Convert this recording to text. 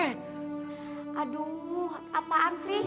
waduh apaan sih